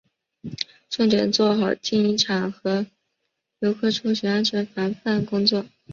重点做好经营场所和游客出行安全防范工作